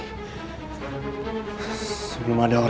ada orang yang belum ada teman loids